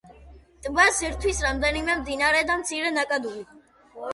ტბას ერთვის რამდენიმე მდინარე და მცირე ნაკადული.